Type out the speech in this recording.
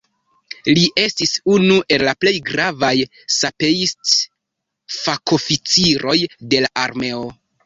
Li estis unu el plej gravaj sapeist-fakoficiroj de la armeo.